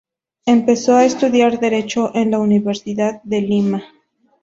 Empezó a estudiar Derecho en la Universidad de Lima.